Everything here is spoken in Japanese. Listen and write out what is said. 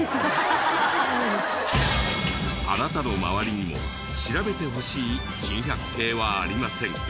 あなたの周りにも調べてほしい珍百景はありませんか？